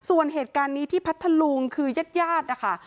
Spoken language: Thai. ส่วนเหตุการณ์นี้ที่พัทธลุงคือยาดนะคะ